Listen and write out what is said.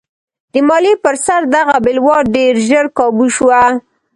د مالیې پر سر دغه بلوا ډېر ژر کابو شوه.